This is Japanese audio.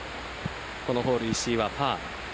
このホール、石井はパー。